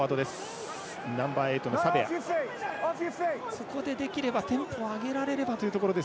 ここでできればテンポを上げられればというところ。